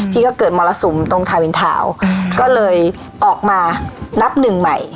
ที่ก็เกิดมรสุมตรงทาวินทาวน์ก็เลยออกมานับหนึ่งใหม่